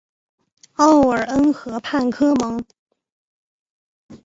奥尔恩河畔科蒙。